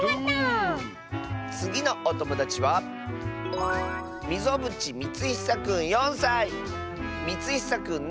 つぎのおともだちはみつひさくんの。